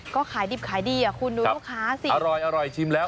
ก็ขายดิบขายดีอ่ะคุณดูลูกค้าสิอร่อยชิมแล้ว